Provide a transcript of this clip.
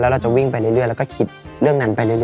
เราจะวิ่งไปเรื่อยแล้วก็คิดเรื่องนั้นไปเรื่อ